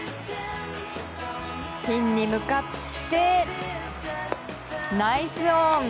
ピンに向かってナイスオン！